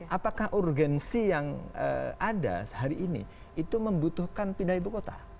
apakah urgensi yang ada sehari ini itu membutuhkan pindah ibu kota